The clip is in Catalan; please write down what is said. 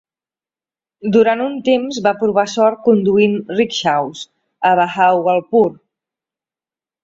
Durant un temps va provar sort conduint rickshaws a Bahawalpur.